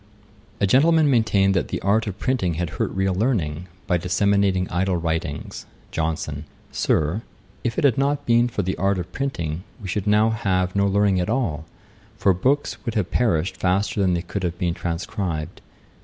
A gentleman maintained that the art of printing had hurt real learning, by disseminating idle writings. JOHNSON. 'Sir, if it had not been for the art of printing, we should now have no learning at all; for books would have perished faster than they could have been transcribed.'